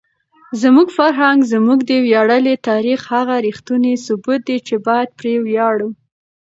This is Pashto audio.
زموږ فرهنګ زموږ د ویاړلي تاریخ هغه ریښتونی ثبوت دی چې باید پرې وویاړو.